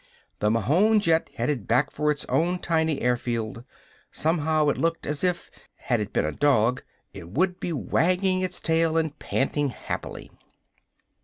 The Mahon jet headed back for its own tiny airfield. Somehow, it looked as if, had it been a dog, it would be wagging its tail and panting happily.